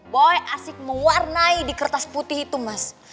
boy asik mewarnai di kertas putih itu mas